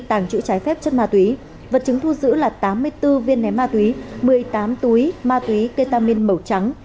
tàng trữ trái phép chất ma túy vật chứng thu giữ là tám mươi bốn viên ném ma túy một mươi tám túi ma túy ketamin màu trắng